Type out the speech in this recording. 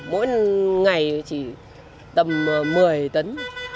mỗi ngày chỉ tầm một mươi tấn